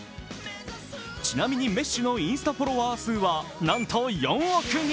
ちなみに、メッシのインスタフォロワー数は、なんと４億人。